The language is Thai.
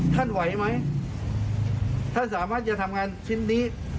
ท่านไหวไหมท่านสามารถจะทำงานชิ้นนี้